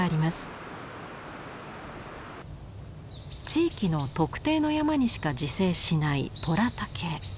地域の特定の山にしか自生しない「虎竹」。